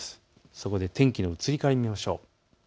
そこで天気の移り変わりを見ましょう。